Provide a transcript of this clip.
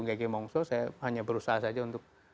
gege mongso saya hanya berusaha saja untuk